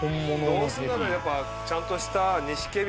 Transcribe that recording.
どうせならやっぱちゃんとしたニシキヘビ